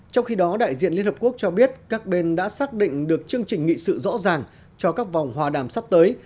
trong khi đó đại diện liên hợp quốc cho biết các bên đã xác định được chương trình nghị sự rõ ràng cho các vòng hòa đàm sắp tới